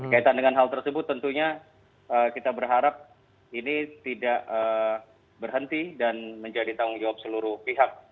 kaitan dengan hal tersebut tentunya kita berharap ini tidak berhenti dan menjadi tanggung jawab seluruh pihak